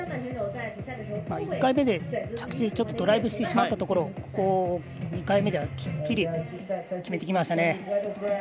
１回目で着地ちょっとドライブしてしまったところ２回目ではきっちり決めてきましたね。